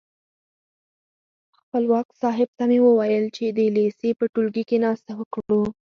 خپلواک صاحب ته مې وویل چې د لېسې په ټولګي کې ناسته وکړو.